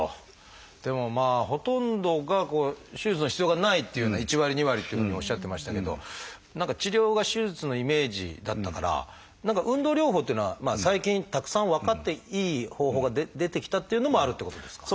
でもほとんどが手術の必要がないっていうふうな１割２割っていうふうにおっしゃってましたけど何か治療が手術のイメージだったから何か運動療法っていうのは最近たくさん分かっていい方法が出てきたっていうのもあるっていうことですか？